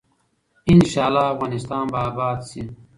ان شاء الله افغانستان به اباد شي.